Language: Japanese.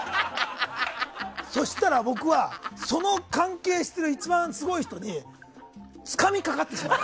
そうしたら、僕はその関係している一番すごい人につかみかかってしまう。